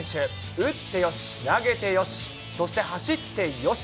打ってよし、投げてよし、そして走ってよし。